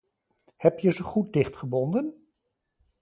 Heb je ze goed dichtgebonden?